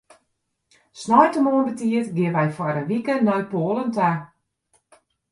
Sneintemoarn betiid geane wy foar in wike nei Poalen ta.